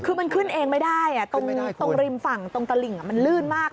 คือมันขึ้นเองไม่ได้ตรงริมฝั่งตรงตะหลิ่งมันลื่นมาก